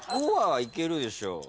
５はいけるでしょ。